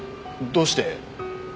どうして？